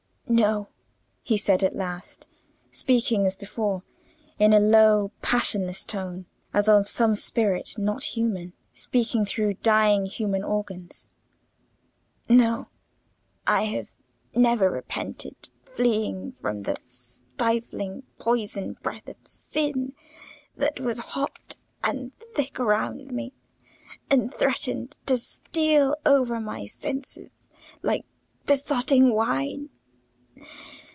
"No," he said at last; speaking as before, in a low passionless tone, as of some spirit not human, speaking through dying human organs. "No; I have never repented fleeing from the stifling poison breath of sin that was hot and thick around me, and threatened to steal over my senses like besotting wine.